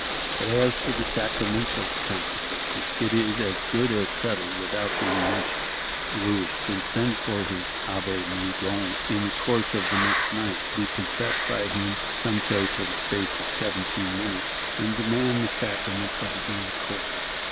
But as for the sacramental controversy, it is as good as settled without being mentioned; Louis can send for his Abbé Moudon in the course of next night, be confessed by him, some say for the space of "seventeen minutes," and demand the sacraments of his own accord.